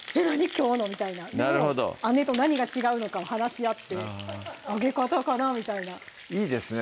きょうの」みたいな姉と何が違うのかを話し合って「揚げ方かな」みたいないいですね